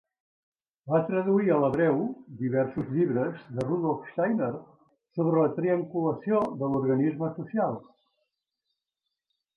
Va traduir a l'hebreu diversos llibres de Rudolf Steiner sobre la triarticulació de l"organisme social.